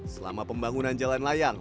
selama pembangunan jalan layang